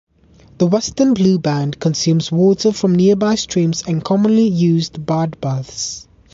The western bluebird consumes water from nearby streams and commonly used bird baths.